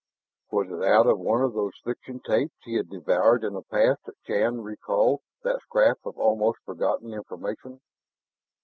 Was it out of one of those fiction tapes he had devoured in the past that Shann recalled that scrap of almost forgotten information?